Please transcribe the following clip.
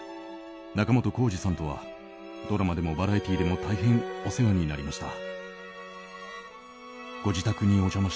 仲本工事さんとはドラマでもバラエティーでも大変お世話になりました。